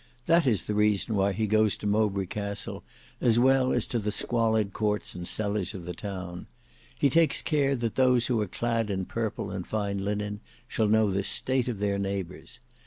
That is the reason why he goes to Mowbray Castle, as well as to the squalid courts and cellars of the town. He takes care that those who are clad in purple and fine linen shall know the state of their neighbours.